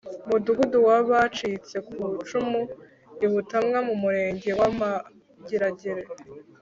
Mudugudu w Abacitse ku icumu i Butamwa mu Murenge wa Mageragere